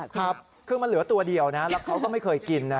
ครับคือมันเหลือตัวเดียวนะแล้วเขาก็ไม่เคยกินนะ